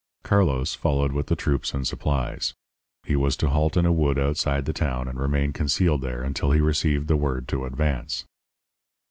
"Carlos followed with the troops and supplies. He was to halt in a wood outside the town and remain concealed there until he received the word to advance.